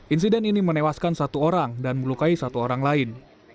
insiden ini menewaskan satu orang dan melukai satu orang lain